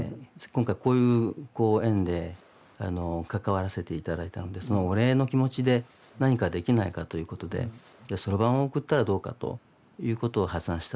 今回こういう縁で関わらせて頂いたんでそのお礼の気持ちで何かできないかということで算盤を送ったらどうかということを発案したそうなんです。